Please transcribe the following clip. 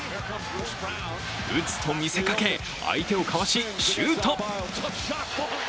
打つと見せかけ、相手をかわしシュート。